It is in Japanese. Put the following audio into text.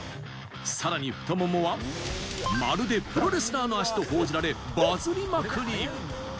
さらに太ももはまるでプロレスラーの足と報じられＢＵＺＺりまくり。